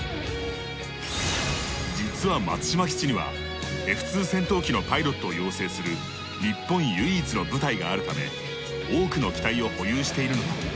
実は松島基地にはＦ−２戦闘機のパイロットを養成する日本唯一の部隊があるため多くの機体を保有しているのだ。